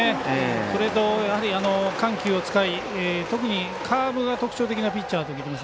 それと緩急を使い特にカーブが特徴的なピッチャーと聞いています。